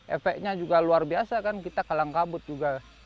efeknya juga luar biasa kan kita kalang kabut juga